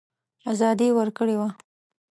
آزادي ورکړې وه.